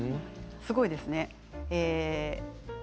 すごいですね。